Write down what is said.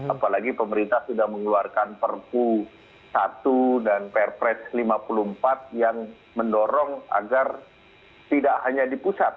apalagi pemerintah sudah mengeluarkan perpu satu dan pr press lima puluh empat yang mendorong agar tidak hanya di pusat